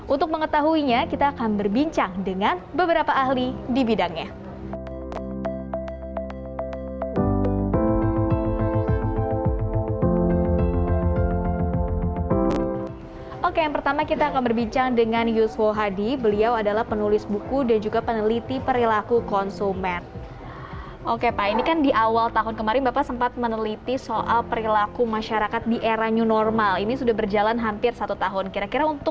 untuk mengetahuinya kita akan berbincang dengan beberapa ahli di bidangnya